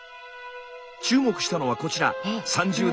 注目したのはこちら。